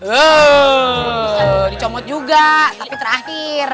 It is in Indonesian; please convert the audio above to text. dicomot juga tapi terakhir